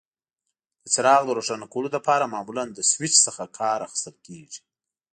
د څراغ د روښانه کولو لپاره معمولا له سویچ څخه کار اخیستل کېږي.